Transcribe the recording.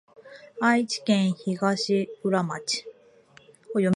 愛知県東浦町